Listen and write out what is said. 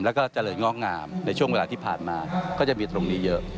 แล้วก็เจริญงอกงามในช่วงเวลาที่ผ่านมาก็จะมีตรงนี้เยอะ